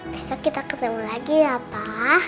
besok kita ketemu lagi ya pak